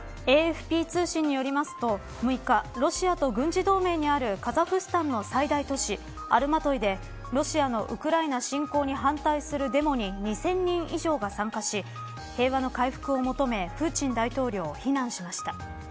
ＡＦＰ通信によりますと、６日ロシアと軍事同盟にあるカザフスタンの最大都市アルマトイで、ロシアのウクライナ侵攻に反対するデモに２０００人以上が参加し平和の回復を求めプーチン大統領を非難しました。